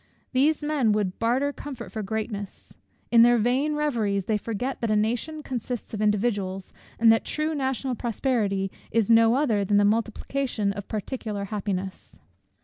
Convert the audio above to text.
These men would barter comfort for greatness. In their vain reveries they forget that a nation consists of individuals, and that true national prosperity is no other than the multiplication of particular happiness.